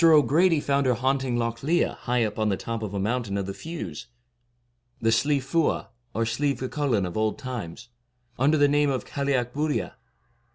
O' Grady found her haunting Lough Liath high up on the top of a mountain of the Fews, the Slieve Fuadh, or Slieve G Cullain of old times, under the name of the Cailleac Buillia.